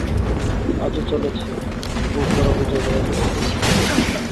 আজ ও চলেছে বুকভরা বোঝা বয়ে বয়ে, তবু ভেঙে পড়ে নি।